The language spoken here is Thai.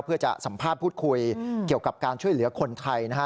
เพื่อจะสัมภาษณ์พูดคุยเกี่ยวกับการช่วยเหลือคนไทยนะฮะ